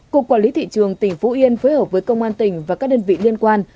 cục quản lý thị trường tỉnh phú yên phối hợp với công an tỉnh và các đơn vị liên quan